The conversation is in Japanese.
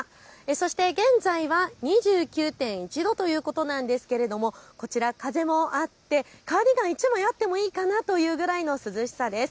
そして現在は２９．１度ということなんですがこちら、風もあってカーディガン１枚あってもいいかなというくらいの涼しさです。